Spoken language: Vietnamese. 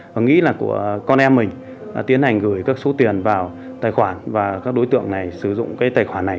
và nghĩ là của con em mình tiến hành gửi các số tiền vào tài khoản và các đối tượng này sử dụng cái tài khoản này